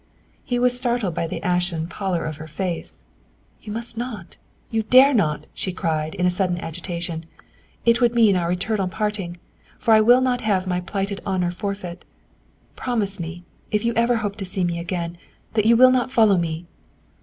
He was startled by the ashen pallor of her face. "You must not! You dare not!" she cried, in a sudden agitation. "It would mean our eternal parting! For I will not have my plighted honor forfeit. Promise me, if you ever hope to see me again, that you will not follow me!"